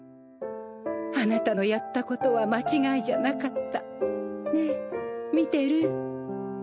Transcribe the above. あなたのやったことは間違いじゃなかった。